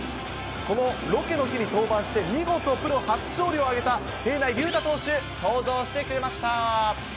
このロケの日に登板して見事プロ初勝利を挙げた平内龍太投手、登場してくれました。